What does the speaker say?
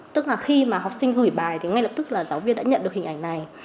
tức là khi mà học sinh gửi bài thì ngay lập tức là giáo viên đã nhận được hình ảnh này